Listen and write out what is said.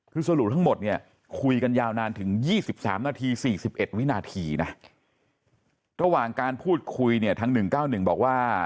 คือสรุปทั้งหมดเนี่ยคุยกันยาวนานถึง๒๓นาที๔๑วินาทีนะ